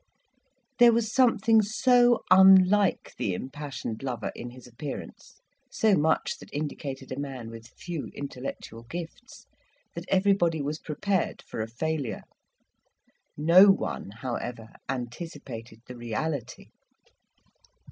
There was something so unlike the impassioned lover in his appearance so much that indicated a man with few intellectual gifts that everybody was prepared for a failure. No one, however, anticipated the reality.